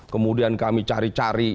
kemudian kami cari cari